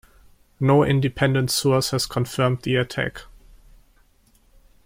No independent source has confirmed the attack.